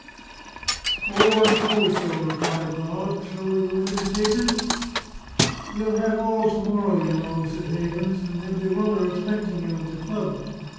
"O, I suppose so!" replied Dodd. "Shall we go into the papers?" "We'll have all to morrow, you know," said Havens; "and they'll be rather expecting you at the club.